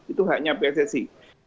itu haknya pssi